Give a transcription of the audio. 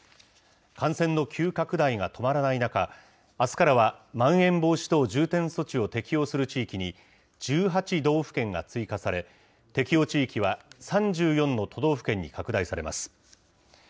感染の急拡大が止まらない中、あすからはまん延防止等重点措置を適用する地域に１８道府県が追加され、適用地域は３４の都道府県に拡大されます。